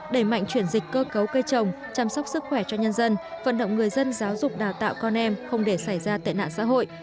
đẩy mạnh chuyển dịch cơ cấu cây trồng chăm sóc sức khỏe cho nhân dân vận động người dân giáo dục đào tạo con em không để xảy ra tệ nạn xã hội